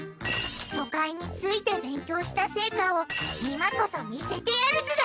都会について勉強した成果を今こそ見せてやるズラ！